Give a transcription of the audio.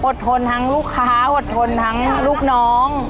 ทนทั้งลูกค้าอดทนทั้งลูกน้อง